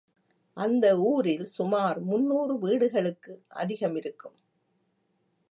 அந்த ஊரில் சுமார் முன்னூறு வீடுகளுக்கு அதிகமிருக்கும்.